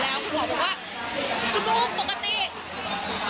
ถ้าเป็นแบบผอมแล้วแบบรักษาช้า